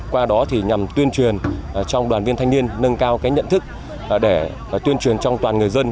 qua đó thì nhằm tuyên truyền trong đoàn viên thanh niên nâng cao nhận thức để tuyên truyền trong toàn người dân